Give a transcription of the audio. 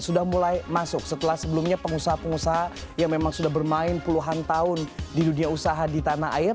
sudah mulai masuk setelah sebelumnya pengusaha pengusaha yang memang sudah bermain puluhan tahun di dunia usaha di tanah air